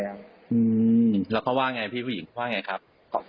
แล้วเขาว่าไงพี่ผู้หญิงว่าไงครับ